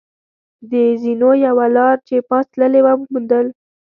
د زینو یوه لار چې پاس تللې وه، و موندل.